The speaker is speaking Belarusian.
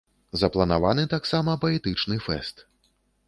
Запланаваны таксама паэтычны фэст.